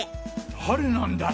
誰なんだい！